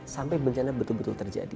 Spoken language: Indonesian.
sampai bencana betul betul terjadi